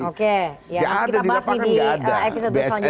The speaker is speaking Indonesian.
oke ya nanti kita bahas lagi di episode selanjutnya